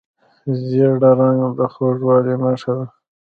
ژیړ رنګ د خوږوالي نښه ده.